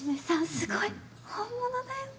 すごい本物だよ。